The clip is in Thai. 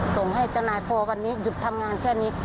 ส่งให้เจ้านายพอวันนี้หยุดทำงานแค่นี้